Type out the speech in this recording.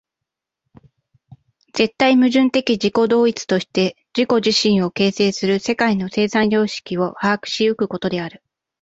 絶対矛盾的自己同一として自己自身を形成する世界の生産様式を把握し行くことである。